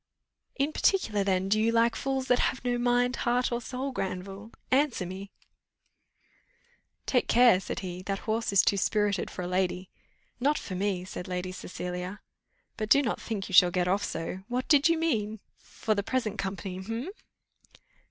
"In particular, then, do you like fools that have no mind, heart, or soul, Granville? Answer me." "Take care," said he, "that horse is too spirited for a lady." "Not for me," said Lady Cecilia; "but do not think you shall get off so; what did you mean?" "My meaning lies too deep for the present occasion." "For the present company eh?"